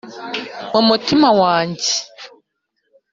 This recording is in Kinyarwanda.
mu mutima wanjye.